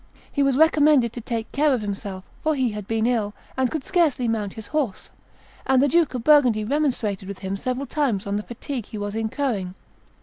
He was recommended to take care of himself; for he had been ill, and could scarcely mount his horse; and the Duke of Burgundy remonstrated with him several times on the fatigue he was incurring.